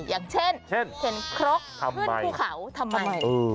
อย่างเช่นเข็นครกขึ้นภูเขาทำไม